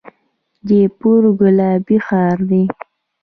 جیپور ګلابي ښار دی.